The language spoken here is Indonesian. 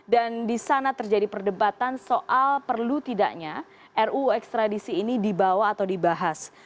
dan di sana terjadi perdebatan soal perlu tidaknya ruu ekstradisi ini dibawa atau dibahas